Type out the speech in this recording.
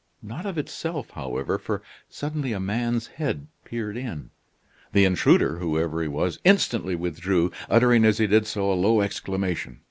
Not of itself, however, for suddenly a man's head peered in. The intruder, whoever he was, instantly withdrew, uttering as he did so a low exclamation.